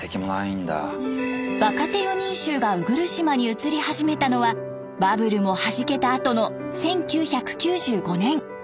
若手４人衆が鵜来島に移り始めたのはバブルもはじけたあとの１９９５年。